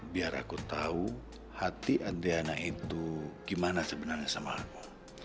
biar aku tahu hati andriana itu gimana sebenarnya sama aku